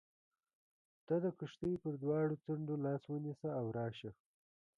ته د کښتۍ پر دواړو څنډو لاس ونیسه او راشه.